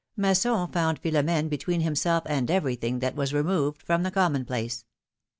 Masson found Philomene between himself and everything that Avas removed from the common place.